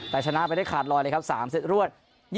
แต่ชนะไปได้ขาดลอยเลยครับ๓เซตรวด